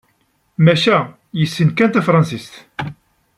Maca yessen kan tafransist.